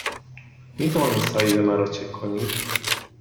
می توانید سایز مرا چک کنید؟